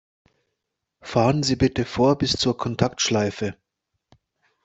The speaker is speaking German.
Fahren Sie bitte vor bis zur Kontaktschleife!